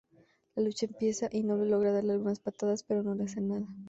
La lucha empieza y Noble logra darle algunas patadas pero no le hacen nada.